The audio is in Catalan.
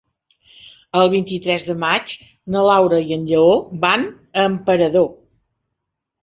El vint-i-tres de maig na Laura i en Lleó van a Emperador.